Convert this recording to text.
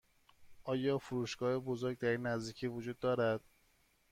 آیا فروشگاه بزرگ در این نزدیکی وجود دارد؟